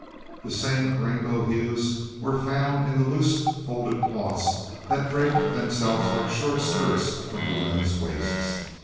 The same rainbow hues were found in the loose folded cloths that draped themselves like short skirts from the women's waists.